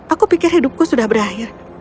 aku pikir hidupku sudah berakhir